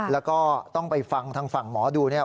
แล้วก็ต้องไปฟังทางฝั่งหมอดูเนี่ย